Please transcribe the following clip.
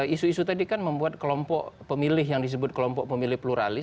isu isu tadi kan membuat kelompok pemilih yang disebut kelompok pemilih pluralis